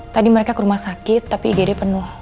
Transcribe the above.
tadi mereka ke rumah sakit tapi igd penuh